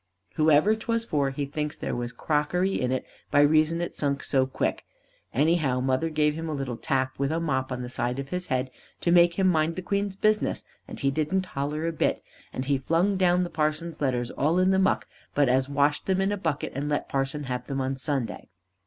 Whoever 'twas for he thinks there was crockery in it by reason it sunk so quick. Anyhow mother give him a little tap with a mop on the side of his head, to make him mind the Queen's business, and didn't he holler a bit, and he flung down the parson's letters all in the muck, but us washed them in a bucket and let parson have them on Sunday.